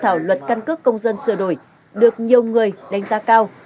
thảo luận căn cước công dân sửa đổi được nhiều người đánh giá cao